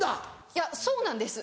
いやそうなんです。